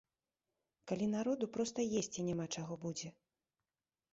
Калі народу проста есці няма чаго будзе.